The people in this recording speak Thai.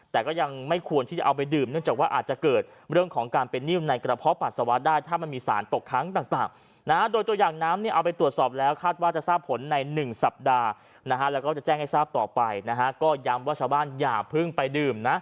แต่ก็ยังไม่ควรที่จะเอาไปดื่ม